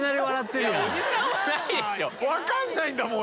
分かんないんだもん俺。